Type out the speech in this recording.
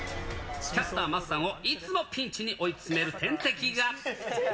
キャスター、桝さんをいつもピンチに追い詰める天敵が。